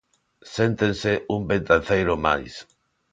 Séntense un betanceiro máis.